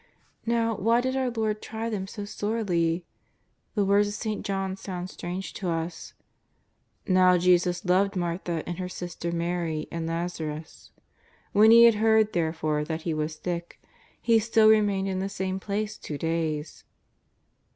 Xow, why did our Lord try them so sorely? The words of St. John sound strange to us :" N^ow Jesus loved Martha and her sister Mary and Lazarus. When He had heard, therefore, that he was sick. He still re mained in the same place two days."